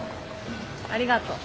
ありがと。